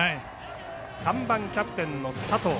３番キャプテンの佐藤。